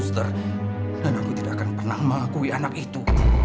dan aku tidak akan pernah mengakui anak itu